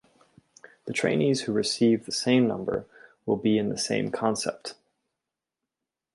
The trainees who receive the same number will be in the same concept.